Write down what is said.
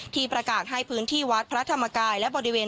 ที่ประกาศให้พื้นที่วัดพระธรรมกายและบริเวณ